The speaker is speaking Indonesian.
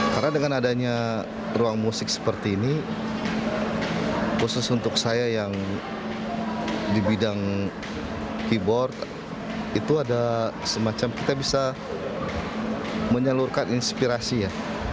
karena dengan adanya ruang musik seperti ini khusus untuk saya yang di bidang keyboard itu ada semacam kita bisa menyalurkan inspirasi ya